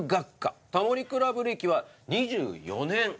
『タモリ倶楽部』歴は２４年。